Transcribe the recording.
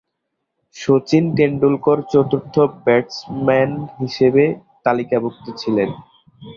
শচীন তেন্ডুলকর চতুর্থ ব্যাটসম্যান হিসাবে তালিকাভুক্ত ছিলেন।